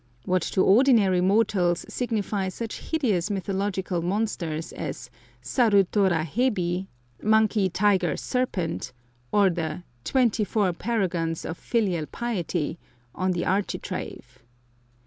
What to ordinary mortals signify such hideous mythological monsters as saru tora hebi (monkey tiger serpent), or the "Twenty four Paragons of Filial Piety" on the architrave.